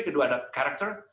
kedua ada karakter